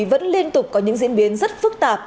vẫn liên tục có những diễn biến rất phức tạp